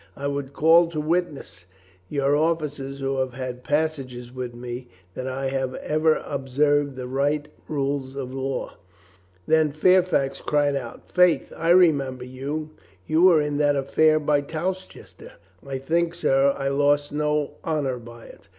I would call to witness your officers who have had passages with me that I have ever observed the right rules of war." Then Fairfax cried out: "Faith, I remember you ! You were in that affair by Towcester." "I think, sir, I lost no honor by it?"